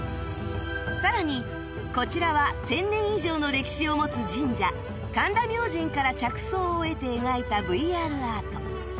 更にこちらは１０００年以上の歴史を持つ神社神田明神から着想を得て描いた ＶＲ アート